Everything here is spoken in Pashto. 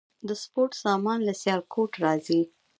د سپورت سامان له سیالکوټ راځي؟